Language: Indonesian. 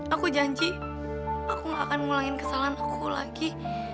aku janji aku gak akan ngulangin kesalahan aku lagi